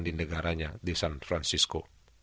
di negaranya di san francisco